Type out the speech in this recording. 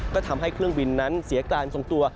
ก็ทำให้เครื่องบินนั้นเสียการทรงตัว